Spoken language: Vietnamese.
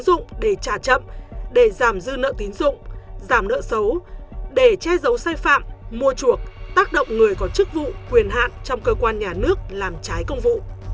sử dụng để trả chậm để giảm dư nợ tín dụng giảm nợ xấu để che giấu sai phạm mua chuộc tác động người có chức vụ quyền hạn trong cơ quan nhà nước làm trái công vụ